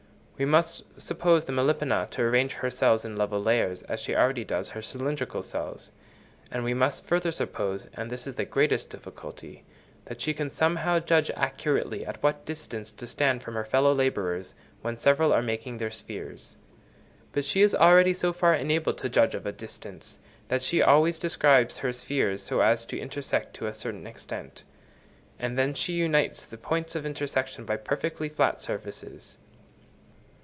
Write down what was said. We must suppose the Melipona to arrange her cells in level layers, as she already does her cylindrical cells; and we must further suppose, and this is the greatest difficulty, that she can somehow judge accurately at what distance to stand from her fellow labourers when several are making their spheres; but she is already so far enabled to judge of distance, that she always describes her spheres so as to intersect to a certain extent; and then she unites the points of intersection by perfectly flat surfaces.